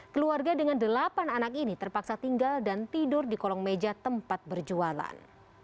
keluarga dengan delapan anak ini terpaksa tinggal dan tidur di kolong meja tempat berjualan